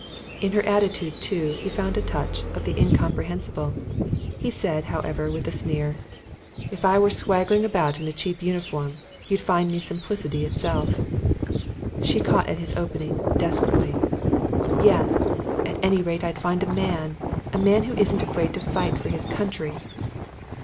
In her attitude, too, he found a touch of the incomprehensible. He said, however, with a sneer: "If I were swaggering about in a cheap uniform, you'd find me simplicity itself." She caught at his opening, desperately. "Yes. At any rate I'd find a man. A man who wasn't afraid to fight for his country."